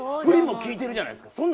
ふりも利いてるじゃないですか。